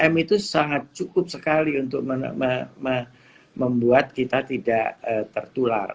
tiga m itu sangat cukup sekali untuk membuat kita tidak tertular